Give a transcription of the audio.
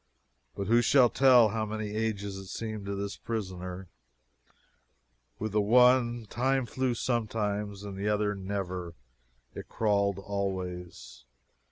But who shall tell how many ages it seemed to this prisoner? With the one, time flew sometimes; with the other, never it crawled always.